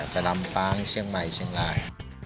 ไปลำปางเชียงใหม่เชียงราย